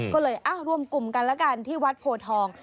ก็เลยรวมกลุ่มกันแล้วกันที่วัดโพทอง